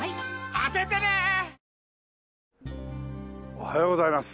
おはようございます。